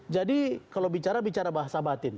jadi kalau bicara bicara bahasa batin